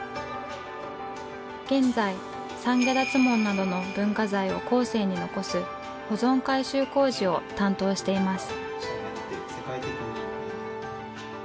現在三解脱門などの文化財を後世に残す保存改修工事を担当しています。